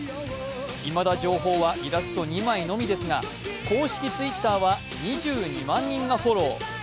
いまだ情報はイラスト２枚のみですが、公式Ｔｗｉｔｔｅｒは２２万人がフォロー。